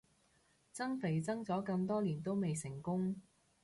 增肥增咗咁多年都未成功